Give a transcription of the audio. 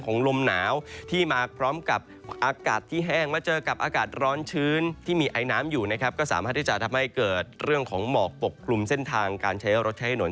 ก็สามารถที่จะทำให้เกิดเรื่องของหมอกปกกลุ่มเส้นทางการใช้รถใช้ให้หน่วน